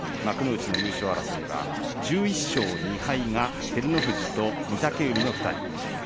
幕内の優勝争いは１１勝２敗が照ノ富士と御嶽海の２人。